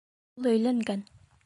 Ул өйләнгән.